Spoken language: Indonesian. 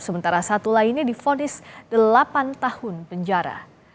sementara satu lainnya difonis delapan tahun penjara